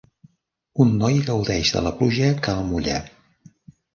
un noi gaudeix de la pluja que el mulla.